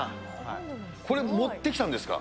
これ持ってきたんですか？